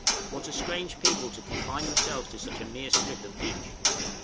What a strange people to confine themselves to such a mere strip of beach!